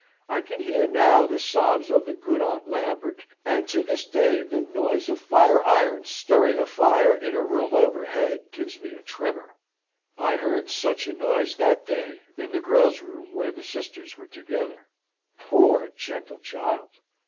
I can hear now the sobs of the good Aunt Lambert, and to this day the noise of fire irons stirring a fire in a room overhead gives me a tremor. I heard such a noise that day in the girls' room where the sisters were together. Poor, gentle child!